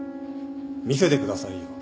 見せてくださいよ。